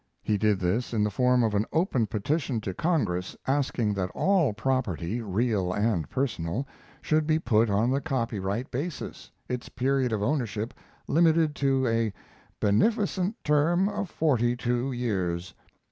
He did this in the form of an open petition to Congress, asking that all property, real and personal, should be put on the copyright basis, its period of ownership limited to a "beneficent term of forty two years."